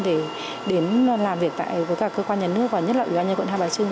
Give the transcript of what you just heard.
để đến làm việc với các cơ quan nhà nước và nhất là ủy ban nhân dân quận hai b trưng